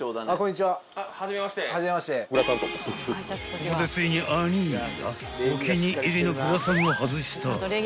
［ここでついに兄ぃがお気に入りのグラサンを外した］